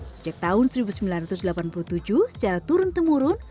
sejak tahun seribu sembilan ratus delapan puluh tujuh secara turun temurun